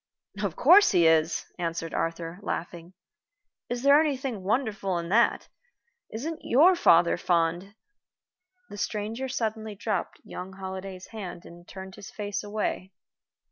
"Of course he is," answered Arthur, laughing. "Is there anything wonderful in that? Isn't your father fond " The stranger suddenly dropped young Holliday's hand and turned his face away.